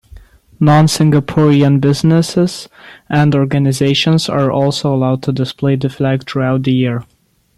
Non-Singaporean businesses and organisations are also allowed to display the flag throughout the year.